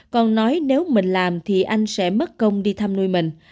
còn nói nếu mình làm thì anh sẽ mất công đi thăm nuôi mình